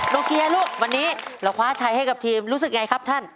โลเกียลูกวันนี้เราคว้าชัยให้กับทีมรู้สึกไงครับท่าน